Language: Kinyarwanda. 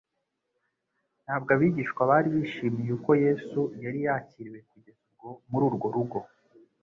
Ntabwo abigishwa bari bishimiye uko Yesu yari yakiriwe kugeza ubwo, muri urwo rugo.